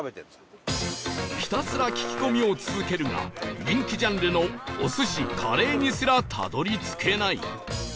ひたすら聞き込みを続けるが人気ジャンルのお寿司カレーにすらたどり着けない